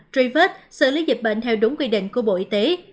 truy vết xử lý dịch bệnh theo đúng quy định của bộ y tế